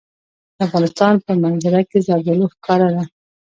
د افغانستان په منظره کې زردالو ښکاره ده.